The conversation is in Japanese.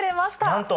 なんと。